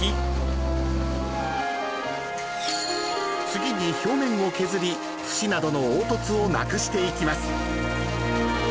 ［次に表面を削り節などの凹凸をなくしていきます］